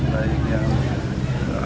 baik yang asli